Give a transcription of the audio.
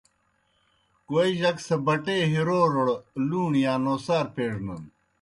کوئے جک سہ بٹے ہِرَوڑوْڑ لُوݨی یا نوسار پیڙنَن۔